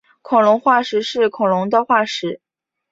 恐龙化石是恐龙的化石。